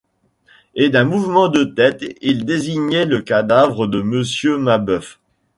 Et d’un mouvement de tête il désignait le cadavre de Monsieur Mabeuf.